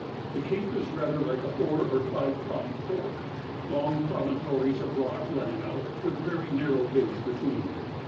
The cape is rather like a four or five pronged fork, long promontories of rock running out, with very narrow bays between.